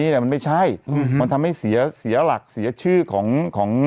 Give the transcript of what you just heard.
ถูกต้องถูกต้องถูกต้องถูกต้องถูกต้องถูกต้องถูกต้อง